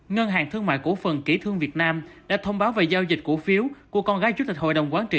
ngân hàng thương mại cổ phần kỷ thương việt nam đã thông báo về giao dịch cổ phiếu của con gái chủ tịch hội đồng quán trị